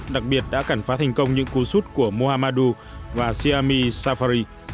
đặc biệt đã cản phá thành công những cú sút của mohamadu và siami safari